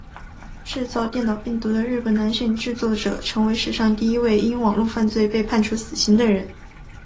制作电脑病毒的日本男性制作者成为史上第一位因网路犯罪被判处死刑的人。